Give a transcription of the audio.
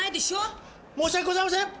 申し訳ございません！